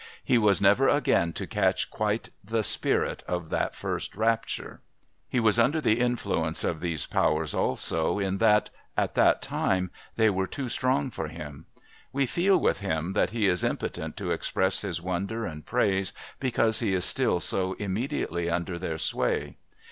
He was never again to catch quite the spirit of that first rapture. He was under the influence of these powers also in that, at that time, they were too strong for him. We feel with him that he is impotent to express his wonder and praise because he is still so immediately under their sway.